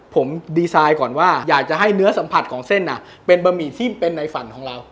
ผมดีไซน์ก่อนว่าอยากจะให้เนื้อสัมผัสของเส้นเป็นบะหมี่ที่เป็นในฝันของเรา